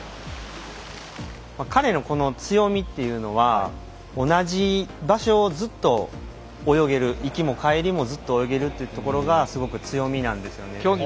彼のこの強みというのは同じ場所をずっと泳げる行きも帰りもずっと泳げるところがすごく強みなんですよね。